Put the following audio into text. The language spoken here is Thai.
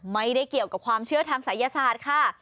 ไม่ได้เกี่ยวกับความเชื่อทางศัยศาสตร์ค่ะ